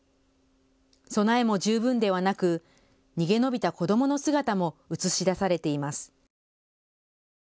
備えも十分ではなく、逃げ延びた子どもの姿も映し出されています。